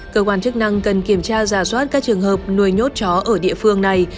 cơ quan chức năng cần kiểm tra giả soát các trường hợp nuôi nhốt chó ở địa phương này